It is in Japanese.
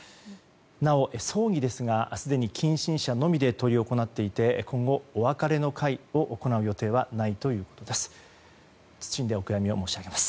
なお、葬儀ですがすでに近親者のみで執り行っていて今後、お別れの会を行う予定はないということです。